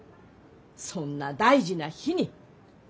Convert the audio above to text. そんな大事な日に。